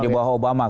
di bawah obama